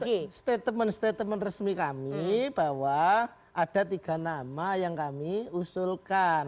tapi statement statement resmi kami bahwa ada tiga nama yang kami usulkan